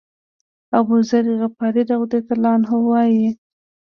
أبوذر غفاري رضی الله عنه وایي.